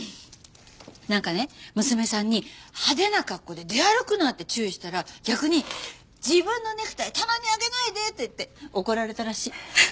なんかね娘さんに「派手な格好で出歩くな」って注意したら逆に「自分のネクタイ棚に上げないで」って言って怒られたらしい。